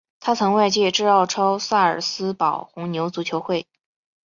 他曾外借至奥超萨尔斯堡红牛足球会。